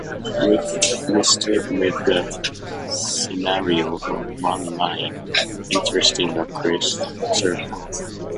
We start with the scenario of one line intersecting a circle.